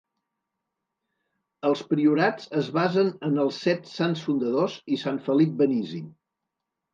Els priorats es basen en els set sants fundadors i sant Felip Benizi.